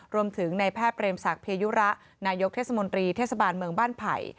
รวมถึงในแพทย์เรมศักดิยุระนายกเทศมนตรีเทศบาลเมืองบ้านไผ่